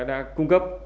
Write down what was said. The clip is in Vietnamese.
đã cung cấp